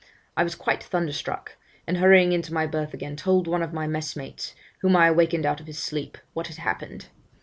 I was quite thunderstruck; and hurrying into my berth again, told one of my messmates, whom I awakened out of his sleep, what had happened.